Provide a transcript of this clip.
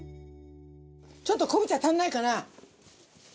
ちょっとこんぶ茶足りないかな？